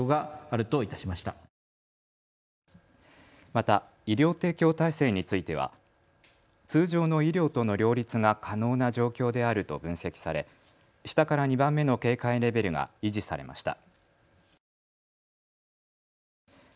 また医療提供体制については通常の医療との両立が可能な状況であると分析され下から２番目の警戒レベルが維持されました。